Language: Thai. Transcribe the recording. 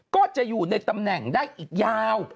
ก็จะอยู่ในตำแหน่งได้อีกยาว